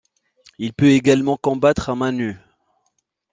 Il peut également combattre à mains nues.